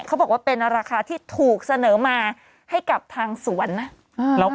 เขาบอกว่าเป็นราคาที่ถูกเสนอมาให้กับทางสวนนะ